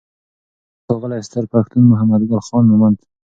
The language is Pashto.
لیکوال: ښاغلی ستر پښتون محمدګل خان مومند